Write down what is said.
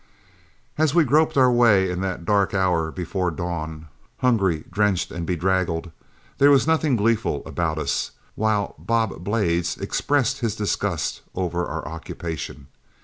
As we groped our way in that dark hour before dawn, hungry, drenched, and bedraggled, there was nothing gleeful about us, while Bob Blades expressed his disgust over our occupation.